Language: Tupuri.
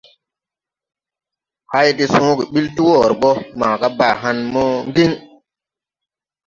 Hay de sõõge ɓil ti wɔɔre ɓɔ maga Baa hããn mo Ŋgiŋ.